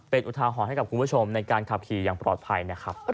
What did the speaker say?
เป็นอุทาหรณ์ให้กับคุณผู้ชมในการขับขี่อย่างปลอดภัยนะครับ